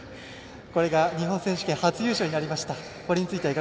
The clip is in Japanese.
これが、日本選手権初優勝となりました。